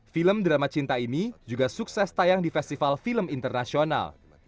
film drama cinta ini juga sukses tayang di festival film internasional